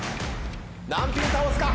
何ピン倒すか？